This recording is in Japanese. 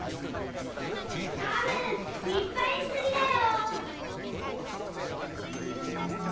引っ張り過ぎだよ！